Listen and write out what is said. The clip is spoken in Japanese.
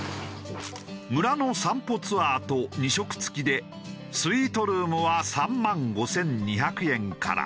村の散歩ツアーと２食付きでスイートルームは３万５２００円から。